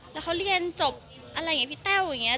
แล้วเขาเรียนจบอะไรอย่างนี้พี่แต้วอย่างนี้